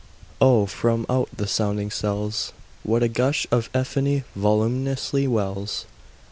Oh, from out the sounding cells, What a gush of euphony voluminously wells!